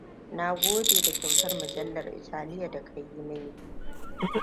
Na gode da kyautar mujallar Italiya da ka yi mini!